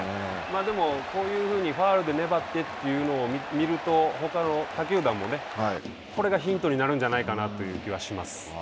でも、こういうふうにファウルで粘ってというのを見ると、ほかの他球団もね、これがヒントになるんじゃないかなという気はします。